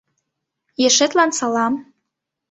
Ешетлан салам.